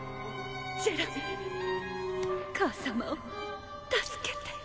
ジェラミー母様を助けて！